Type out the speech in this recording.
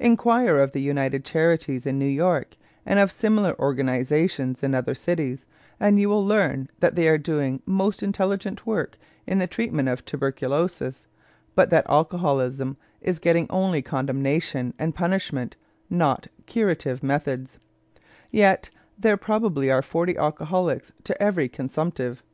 Inquire of the United Charities in New York and of similar organizations in other cities, and you will learn that they are doing most intelligent work in the treatment of tuberculosis, but that alcoholism is getting only condemnation and punishment, not curative methods; yet there probably are forty alcoholics to every consumptive.